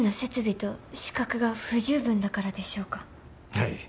はい。